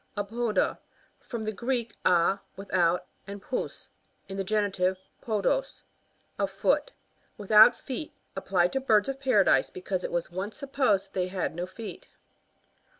Apoda — From the Greek, a, without, and pous, (in the genitive, podos^) a foot. Without feet. Applied to birds of Paradise, because it was once supposed they had no feet.